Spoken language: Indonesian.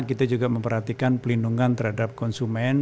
kita juga memperhatikan pelindungan terhadap konsumen